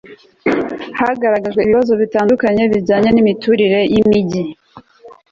hagaragajwe ibibazo bitandukanye bijyanye n'imiturirey'imigi